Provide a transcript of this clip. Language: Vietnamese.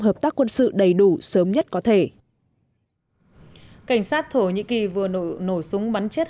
hợp tác quân sự đầy đủ sớm nhất có thể cảnh sát thổ nhĩ kỳ vừa nổ súng bắn chết